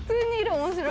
面白い」